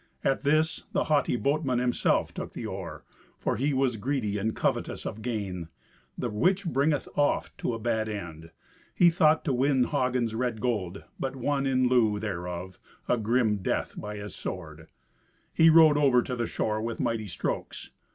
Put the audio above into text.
At this the haughty boatman himself took the oar, for he was greedy and covetous of gain, the which bringeth oft to a bad end. He thought to win Hagen's red gold, but won, in lieu thereof, a grim death by his sword. He rowed over to the shore with mighty strokes.